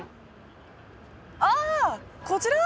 ああこちら？